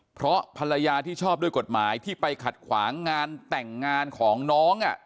เพราะภรรยาที่ชอบด้วยกฎหมายที่ไปขัดขวางงานแต่งงานของน้อง